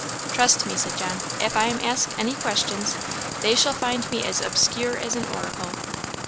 "Trust me," said John. "If I am asked any questions, they shall find me as obscure as an oracle."